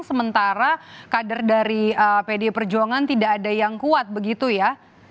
sementara kader dari pdi perjuangan tidak ada yang kuat begitu ya